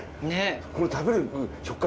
この食べる食感